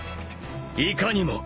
いかにも。